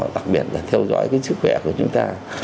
đặc biệt là theo dõi sức khỏe của chúng ta